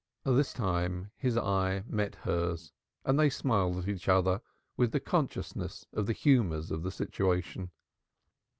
This time his eye met hers, and they smiled at each other with the consciousness of the humors of the situation.